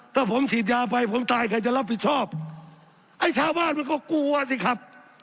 ถ้าผมฉีดยาไปผมตายใครจะรับผิดชอบไอ้ชาวบ้านมันก็กลัวสิครับ